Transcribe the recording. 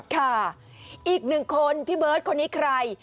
ค่ะอีกหนึ่งคนพี่เบิร์ตคนนี้ใคร